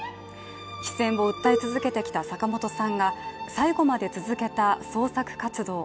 非戦を訴え続けてきた坂本さんが最後まで続けた創作活動。